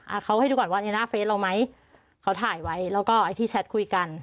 เขาให้ดูก่อนว่าในหน้าเฟสเราไหมเขาถ่ายไว้แล้วก็ไอ้ที่แชทคุยกัน